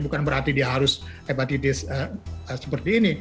bukan berarti dia harus hepatitis seperti ini